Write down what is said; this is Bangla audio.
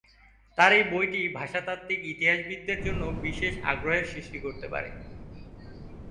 তার এই বইটি ভাষাতাত্ত্বিক ইতিহাসবিদদের জন্য বিশেষ আগ্রহের সৃষ্টি করতে পারে।